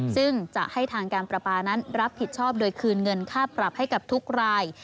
ซึ่งจะให้ทางการประปานั้นรับผิดชอบโดยคืนเงินค่าปรับให้กับทุกราย